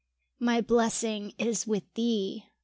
My blessing is with thee.